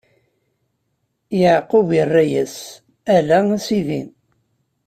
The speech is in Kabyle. Yeɛqub irra-yas: Ala, a sidi!